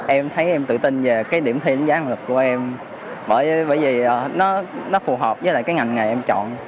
em thấy em tự tin về cái điểm thi đánh giá năng lực của em bởi vì nó phù hợp với lại cái ngành nghề em chọn